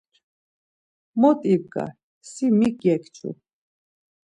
Mot ibgar, si mik gekçu?